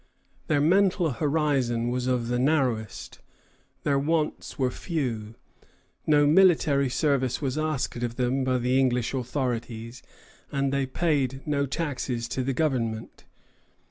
Their mental horizon was of the narrowest, their wants were few, no military service was asked of them by the English authorities, and they paid no taxes to the government.